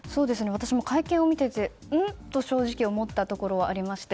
私も会見を見ていてん？と正直思ったところはありまして。